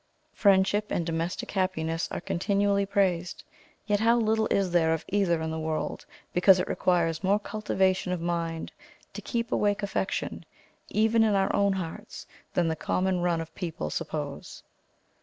Friendship and domestic happiness are continually praised; yet how little is there of either in the world, because it requires more cultivation of mind to keep awake affection, even in our own hearts, than the common run of people suppose.